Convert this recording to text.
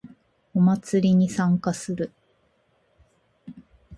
お祭りに参加する